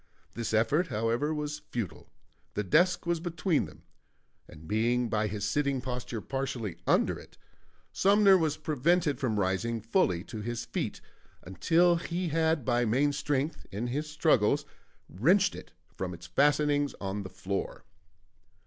This effort, however, was futile; the desk was between them, and being by his sitting posture partially under it, Sumner was prevented from rising fully to his feet until he had by main strength, in his struggles, wrenched it from its fastenings on the floor.